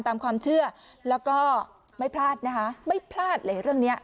ตามความเชื่อแล้วก็ไม่พลาดนะคะไม่พลาดเลยเรื่องนี้